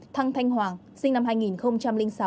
thăng thanh hoàng sinh năm hai nghìn sáu